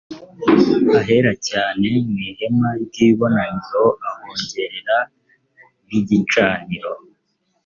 ahera cyane m n ihema n ry ibonaniro ahongerere n igicaniro